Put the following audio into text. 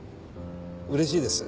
うれしいです。